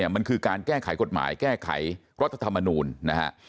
มันคือการแก้ไขกฎหมายแก้ไขรัฐธรรมนูลนะฮะ